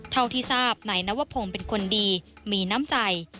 เท่าที่ทราบนายนวพงศ์เป็นคนดีมีน้ำใจ